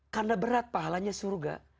karena berat pahalanya surga